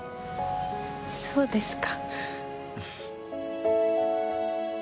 そうですか？